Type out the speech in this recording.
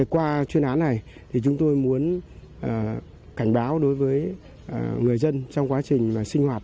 qua chuyên án này chúng tôi muốn cảnh báo đối với người dân trong quá trình sinh hoạt